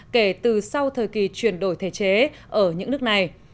kể từ sau thời kỳ chuyển đổi thể chế ở những nước này